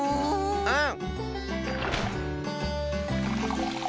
うん。